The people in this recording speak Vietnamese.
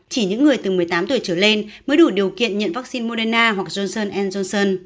chỉ những người từ một mươi tám tuổi trở lên mới đủ điều kiện nhận vaccine moderna hoặc johnson johnson